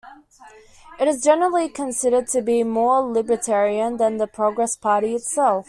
It is generally considered to be more libertarian than the Progress Party itself.